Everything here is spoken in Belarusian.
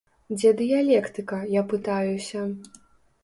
Дзе дыялектыка, я пытаюся?